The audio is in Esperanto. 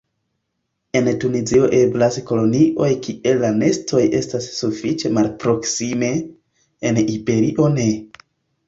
En Tunizio eblas kolonioj kie la nestoj estas sufiĉe malproksime; en Iberio ne.